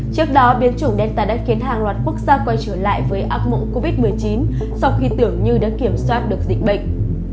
trước đó biến chủng delta đã khiến hàng loạt quốc gia quay trở lại với ác mộng covid một mươi chín sau khi tưởng như đã kiểm soát được dịch bệnh